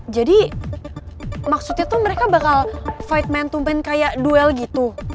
jadi maksudnya tuh mereka bakal fight main main kayak duel gitu